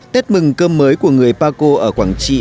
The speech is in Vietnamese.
tết mừng cơm mới của người paco ở quảng trị